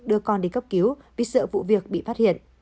đưa con đi cấp cứu vì sợ vụ việc bị phát hiện